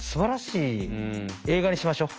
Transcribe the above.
映画にしましょ。